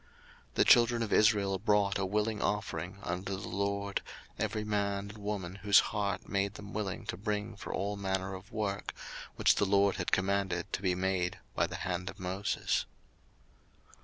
02:035:029 The children of Israel brought a willing offering unto the LORD, every man and woman, whose heart made them willing to bring for all manner of work, which the LORD had commanded to be made by the hand of Moses.